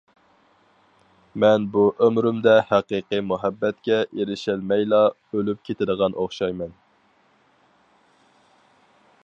مەن بۇ ئۆمرۈمدە ھەقىقىي مۇھەببەتكە ئېرىشەلمەيلا ئۆلۈپ كېتىدىغان ئوخشايمەن.